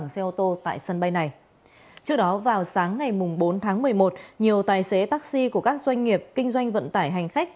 trước đó vào sáng ngày bốn tháng một mươi một nhiều tài xế taxi của các doanh nghiệp kinh doanh vận tải hành khách